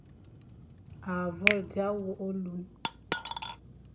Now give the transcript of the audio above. A vôl dia wôkh ôlun,